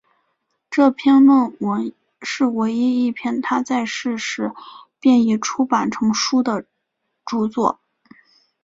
这篇论文是唯一一篇他在世时便已出版成书的着作。